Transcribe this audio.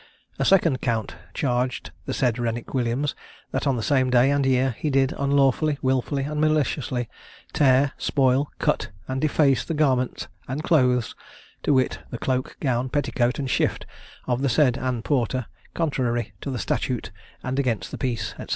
A second count charged the said Renwick Williams, that on the same day and year he did unlawfully, wilfully, and maliciously tear, spoil, cut, and deface the garments and clothes to wit, the cloak, gown, petticoat, and shift of the said Anne Porter, contrary to the statute, and against the peace, &c.